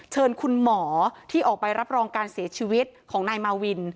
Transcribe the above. เชิญคุณหมอที่ออกไปรับรองการเสียชีวิตของนายมาวิน